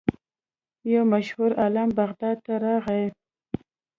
یو مشهور عالم بغداد ته راغی.